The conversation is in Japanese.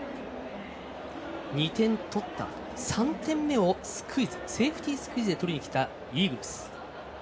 ２点取った、３点目をセーフティースクイズで取りに来たイーグルス。